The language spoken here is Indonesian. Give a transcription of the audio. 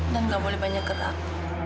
dan gak boleh banyak gerak